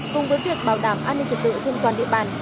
cùng với việc bảo đảm an ninh trật tự trên toàn địa bàn